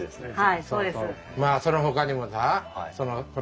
はい。